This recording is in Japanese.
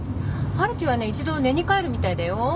陽樹はね一度寝に帰るみたいだよ。